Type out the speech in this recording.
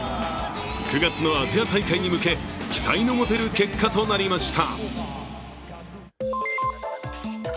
９月のアジア大会に向け期待の持てる結果となりました。